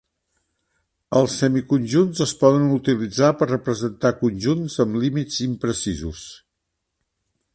Els semiconjunts es poden utilitzar per representar conjunts amb límits imprecisos.